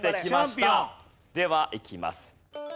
ではいきます。